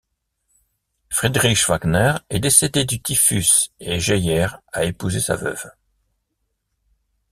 Friedrich Wagner est décédé du typhus et Geyer a épousé sa veuve.